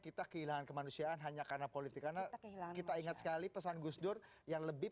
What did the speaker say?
kita kehilangan kemanusiaan hanya karena politik karena kita ingat sekali pesan gus dur yang lebih